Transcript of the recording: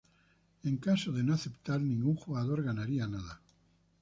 En caso de no aceptar, ningún jugador ganaría nada.